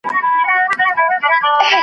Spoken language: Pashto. موږ ته ډک کندو له شاتو مالامال وي .